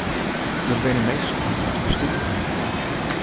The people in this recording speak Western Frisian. Der binne minsken dy't har bestean deryn fine.